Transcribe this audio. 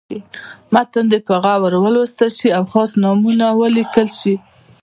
متن دې په غور ولوستل شي او خاص نومونه ولیکل شي.